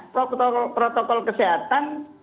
protokol kesehatan tiga m